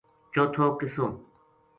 چوتھو قصو